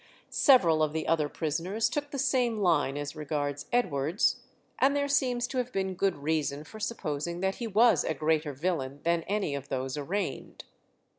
Several of the other prisoners took the same line as regards Edwards, and there seems to have been good reason for supposing that he was a greater villain than any of those arraigned.